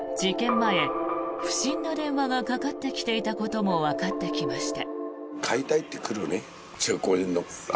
前不審な電話がかかってきていたこともわかってきました。